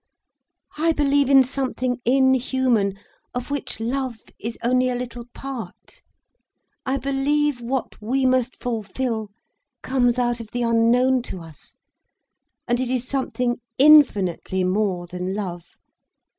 I believe in something inhuman, of which love is only a little part. I believe what we must fulfil comes out of the unknown to us, and it is something infinitely more than love.